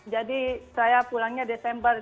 jadi saya pulangnya desember